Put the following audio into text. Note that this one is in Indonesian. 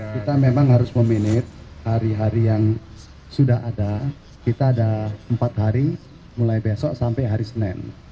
kita memang harus memanage hari hari yang sudah ada kita ada empat hari mulai besok sampai hari senin